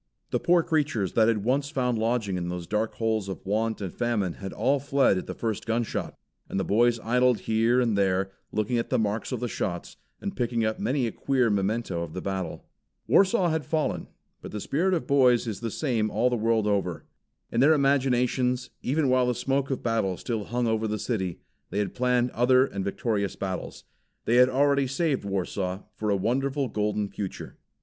The poor creatures that had once found lodging in those dark holes of want and famine had all fled at the first gunshot; and the boys idled here and there, looking at the marks of the shots, and picking up many a queer memento of the battle. Warsaw had fallen; but the spirit of boys is the same all the world over. In their imaginations, even while the smoke of battle still hung over the city, they had planned other and victorious battles. They had already saved Warsaw for a wonderful golden future.